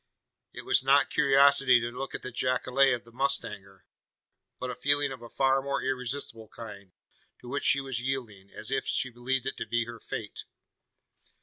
It was not curiosity to look at the jacale of the mustanger; but a feeling of a far more irresistible kind, to which she was yielding, as if she believed it to be her fate!